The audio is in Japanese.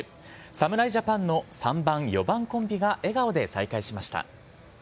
侍ジャパンの３番、４番コンビが笑顔で再会しました。